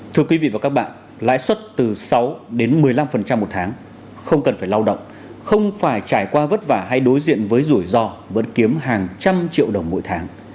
thưa quý vị và các bạn lãi suất từ sáu đến một mươi năm một tháng không cần phải lao động không phải trải qua vất vả hay đối diện với rủi ro vẫn kiếm hàng trăm triệu đồng mỗi tháng